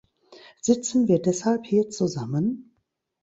Sitzen wir deshalb hier zusammen?